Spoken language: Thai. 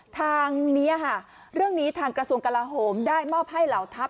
ทางนี้ค่ะเรื่องนี้ทางกระทรวงกลาโหมได้มอบให้เหล่าทัพ